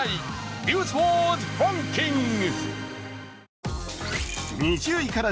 「ニュースワードランキング」。